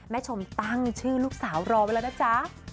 แม่ชมตั้งชื่อลูกสาวรอเวลานะจ๊ะ